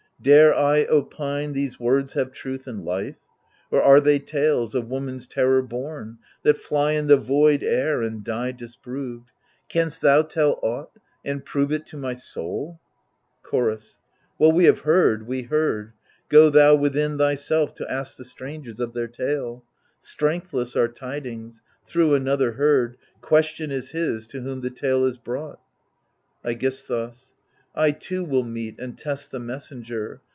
Dare I opine these words have truth and life ? Or are they tales, of woman's terror bom, That fly in the void air, and die disproved ? Canst thou tell aught, and prove it to my soul ? CgoRUS What we have heard, we heard ; go thou within Thyself to ask the strangers of their tale. Strengthless are tidings, thro' another heard ; Question is his, to whom the tale is brought iEGISTHUS I too will meet and test the messenger.